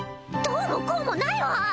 どうもこうもないわ！